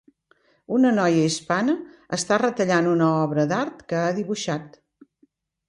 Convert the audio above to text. Una noia hispana està retallant una obra d'art que ha dibuixat.